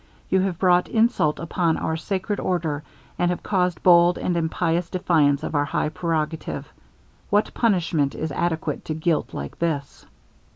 You have brought insult upon our sacred order, and have caused bold and impious defiance of our high prerogative. What punishment is adequate to guilt like this?'